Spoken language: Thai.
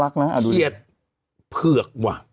เกลียดเผือกว่ะ